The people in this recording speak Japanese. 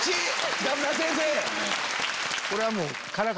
北村先生。